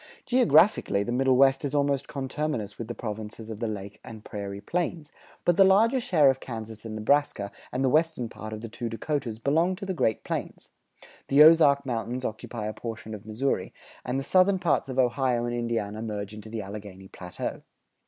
Geographically the Middle West is almost conterminous with the Provinces of the Lake and Prairie Plains; but the larger share of Kansas and Nebraska, and the western part of the two Dakotas belong to the Great Plains; the Ozark Mountains occupy a portion of Missouri, and the southern parts of Ohio and Indiana merge into the Alleghany Plateau.